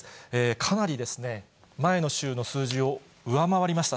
かなり前の週の数字を上回りました。